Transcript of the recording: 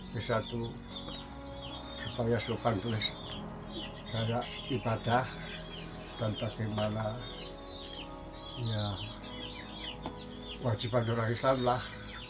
bisa tuh supaya suruh kan tulis saya ibadah dan bagaimana ya wajiban orang islam lah